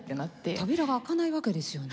扉が開かないわけですよね。